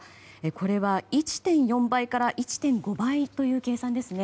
これは１．４倍から１．５倍という計算ですね。